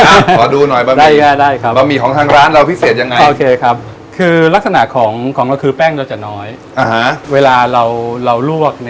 ลบได้ทีไงครับคือลักษณะของของเราคือแป้งเราจะน้อยอะฮะเวลาเราเราลวก